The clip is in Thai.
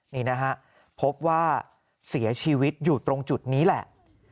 นี่นะฮะพบว่าเสียชีวิตอยู่ตรงจุดนี้แหละ